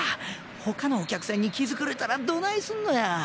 他のお客さんに気づかれたらどないすんのや。